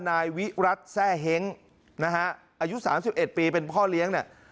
นายวิรัติแทร่เห็งนะฮะอายุสามสิบเอ็ดปีเป็นพ่อเลี้ยงเนี่ย